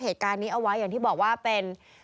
เหตุการณ์นี้เอาไว้อย่างที่บอกว่าเป็น